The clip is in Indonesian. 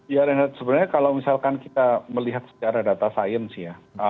ya renat sebenarnya kalau misalkan kita melihat secara data sains ya